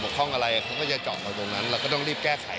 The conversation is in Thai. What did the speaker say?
ข้องอะไรเขาก็จะจอดเราตรงนั้นเราก็ต้องรีบแก้ไข